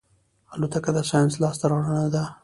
الوتکه د ساینس لاسته راوړنه ده.